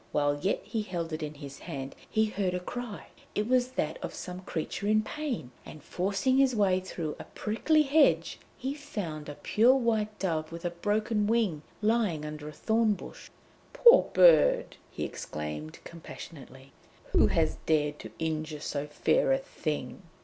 While yet he held it in his hand he heard a cry; it was that of some creature in pain, and forcing his way through a prickly hedge, he found a pure white dove with a broken wing lying under a thornbush. 'Poor bird!' he exclaimed compassionately. 'Who has dared to injure so fair a thing?'